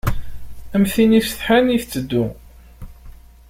Am tin isetḥan i tetteddu.